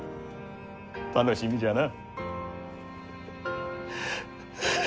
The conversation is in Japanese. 楽しみじゃな。